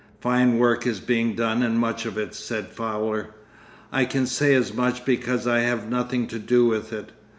'Fine work is being done and much of it,' said Fowler. 'I can say as much because I have nothing to do with it.